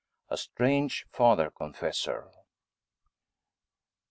A STRANGE FATHER CONFESSOR.